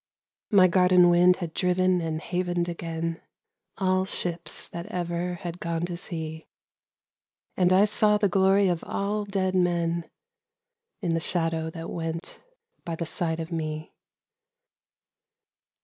My garden wind had driven and havened again All ships that ever had gone to sea, And I saw the glory of all dead men In the shadow that went by the side of me.